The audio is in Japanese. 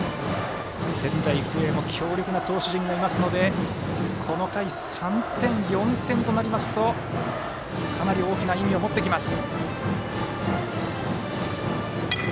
仙台育英も強力な投手陣がいますのでこの回、３点、４点となりますとかなり大きな意味を持ってきます。